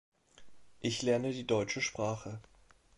Ich lerne die deutsche Sprache.